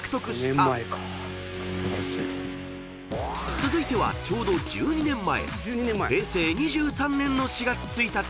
［続いてはちょうど１２年前］